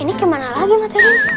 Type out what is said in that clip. ini kemana lagi materi